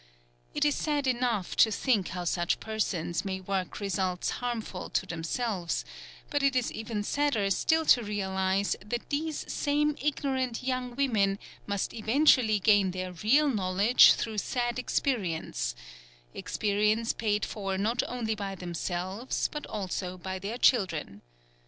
It is sad enough to think how such persons may work results harmful to themselves, but it is even sadder still to realize that these same ignorant young women must eventually gain their real knowledge through sad experience experience paid for not only by themselves but also by their children.